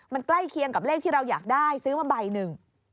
มันใกล้เคียงกับเลขที่เราอยากได้ซื้อมาใบหนึ่ง